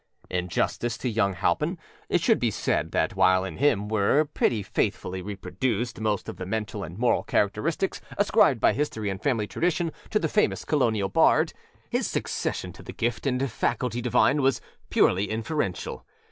In justice to young Halpin it should be said that while in him were pretty faithfully reproduced most of the mental and moral characteristics ascribed by history and family tradition to the famous Colonial bard, his succession to the gift and faculty divine was purely inferential.